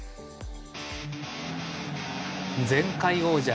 前回王者。